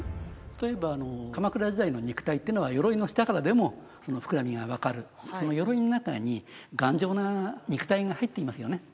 例えば鎌倉時代の肉体っていうのは鎧の下からでもその膨らみが分かるその鎧の中に頑丈な肉体が入っていますよね